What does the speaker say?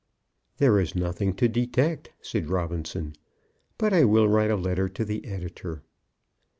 "There is nothing to detect," said Robinson; "but I will write a letter to the editor."